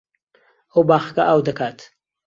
ئەو باخەکە ئاو دەکات.